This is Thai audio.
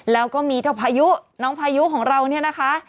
แล้วก็มีเจ้าพายุน้องพายุของเราเนี่ยนะคะ